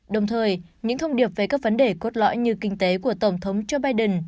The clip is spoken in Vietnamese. đồng thời những thông điệp về các vấn đề cốt lõi như kinh tế của tổng thống joe biden